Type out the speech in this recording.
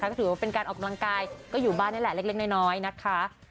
ก็ถือว่าเป็นการออกกำลังกายก็อยู่บ้านนี่แหละเล็กน้อยนะคะ